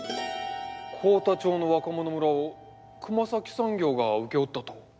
幸田町の若者村を熊咲産業が請け負ったと？